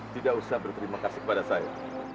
tidak usah berterima kasih kepada saya